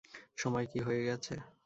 সময় কি হয়ে গেছে?